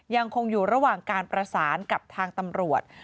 ยังคงอยู่ระหว่างการประสานกับทางตำรวจ